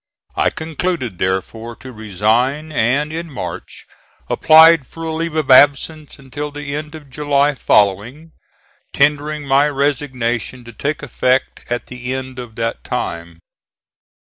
I concluded, therefore, to resign, and in March applied for a leave of absence until the end of the July following, tendering my resignation to take effect at the end of that time.